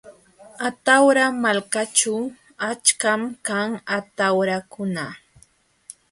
Atawra malkaćhu achkam kan atawrakuna.